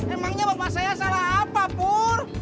emangnya bapak saya salah apa pur